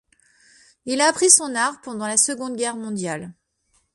Il a appris son art pendant la Seconde Guerre mondiale.